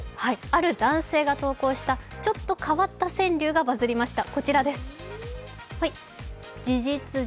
ある男性が投稿したあるちょっと変わった川柳がバズりました。